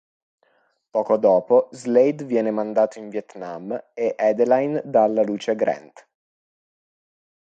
Poco dopo Slade viene mandato in Vietnam e Adeline dà alla luce Grant.